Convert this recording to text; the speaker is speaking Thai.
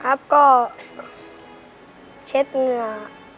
ครับก็เช็ดเหนือ